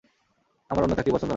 আমার অন্য চাকরি পছন্দ না।